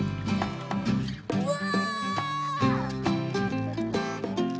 うわ！